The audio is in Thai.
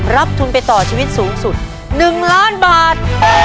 รับทุนไปต่อชีวิตสูงสุด๑ล้านบาท